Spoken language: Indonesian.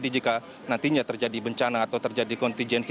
sehingga terjadi bencana atau terjadi kontingensi